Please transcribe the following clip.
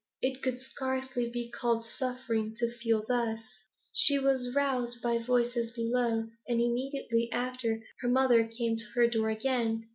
It could scarcely be called suffering, to feel thus. She was roused by voices below, and, immediately after, her mother came to her door again.